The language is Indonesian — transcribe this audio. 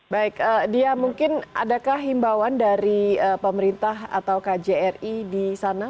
baik dia mungkin adakah himbawan dari pemerintah atau kjri di sana